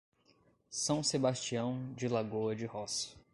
São Sebastião de Lagoa de Roça